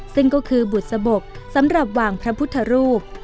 ซึ่งก็คือบุษบกสำหรับวางพระพุทธรูป